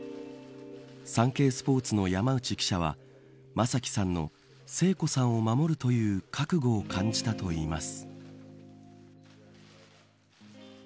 サンケイスポーツの山内記者は正輝さんの聖子さんを守るという覚悟を感じたといいます。